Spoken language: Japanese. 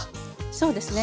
そうですね